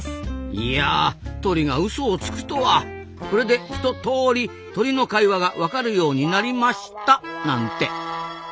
いや鳥がウソをつくとはこれでひとトーリ鳥の会話が分かるようになりましたなんて。